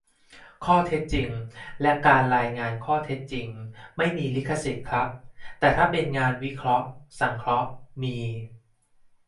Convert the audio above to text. ข้อเท็จจริง และ การรายงานข้อเท็จจริง ไม่มีลิขสิทธิ์ครับ - แต่ถ้าเป็นงานวิเคราะห์สังเคราะห์ มี